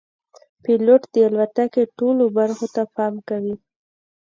پیلوټ د الوتکې ټولو برخو ته پام کوي.